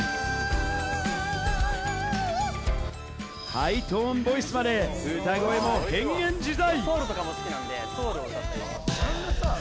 ハイトーンボイスまで、歌声も変幻自在。